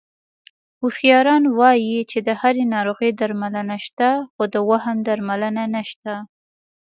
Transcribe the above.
هوښیاران وایي چې د هرې ناروغۍ درملنه شته، خو د وهم درملنه نشته...